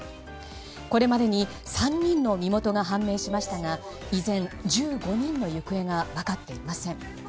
これまでに３人の身元が判明しましたが依然１５人の行方が分かっていません。